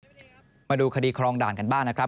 พี่ผู้ชมมาดูคดีครองด่านกันบ้างนะครับ